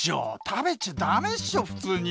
食べちゃ駄目っしょ普通に！